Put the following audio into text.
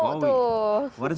wah pasti mau tuh